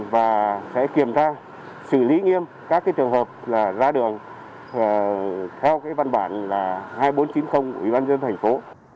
và sẽ kiểm tra xử lý nghiêm các trường hợp ra đường theo văn bản hai nghìn bốn trăm chín mươi của ubnd thành phố